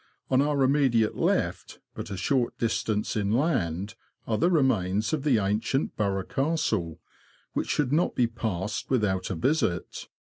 On our immediate left, but a short distance inland, are the remains of the ancient Burgh Castle, which should not be passed without a visit.